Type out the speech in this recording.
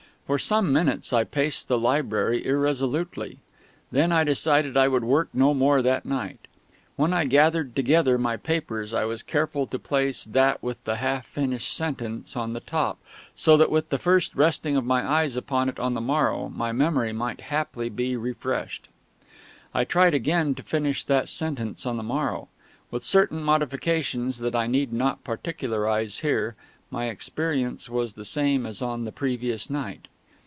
For some minutes I paced the library irresolutely; then I decided I would work no more that night. When I gathered together my papers I was careful to place that with the half finished sentence on the top, so that with the first resting of my eyes upon it on the morrow my memory might haply be refreshed. I tried again to finish that sentence on the morrow. With certain modifications that I need not particularise here, my experience was the same as on the previous night.